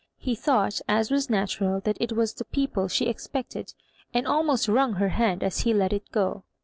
He thought, as was natu ral, that it was the people she expected, and almost wrung her hand as he let it go.